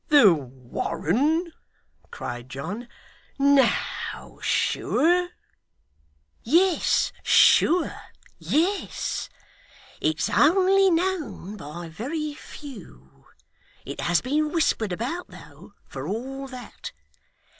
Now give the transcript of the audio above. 'The Warren!' cried John. 'No, sure!' 'Yes, sure yes. It's only known by very few. It has been whispered about though, for all that.